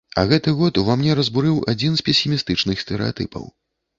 А гэты год ува мне разбурыў адзін з песімістычных стэрэатыпаў.